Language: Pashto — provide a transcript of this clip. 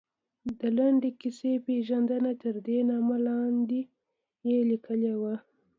د لنډې کیسې پېژندنه، تردې نامه لاندې یې لیکلي وو.